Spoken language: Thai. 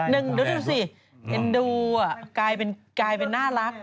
นึงดูสิดูอ่ะกลายเป็นน่ารัก